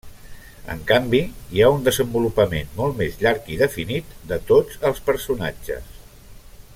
En canvi, hi ha un desenvolupament molt més llarg i definit de tots els personatges.